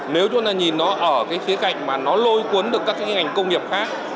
nếu chúng ta nhìn nó ở cái khía cạnh mà nó lôi cuốn được các cái ngành công nghiệp khác